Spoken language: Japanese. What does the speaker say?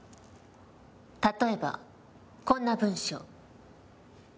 例えばこんな文章。